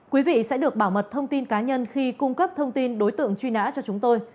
quý vị sẽ được bảo mật thông tin cá nhân khi cung cấp thông tin đối tượng truy nã cho chúng tôi